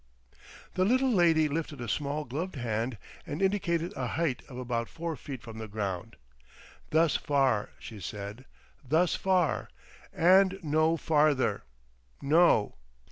The little lady lifted a small gloved hand and indicated a height of about four feet from the ground. "Thus far," she said, "thus far—and no farther! No!"